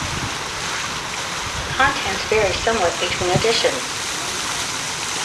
The contents vary somewhat between editions.